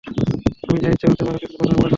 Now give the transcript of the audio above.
তুমি যা ইচ্ছে হতে পারো -কিন্তু প্রথমে, পড়াশোনা?